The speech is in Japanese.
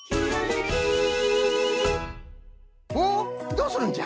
どうするんじゃ？